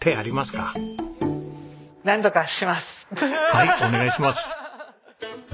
はいお願いします。